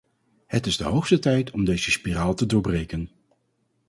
Het is de hoogste tijd om deze spiraal te doorbreken.